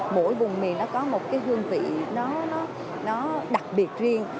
mỗi vùng miền nó có một cái hương vị nó đặc biệt riêng